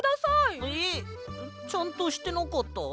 えっ？ちゃんとしてなかった？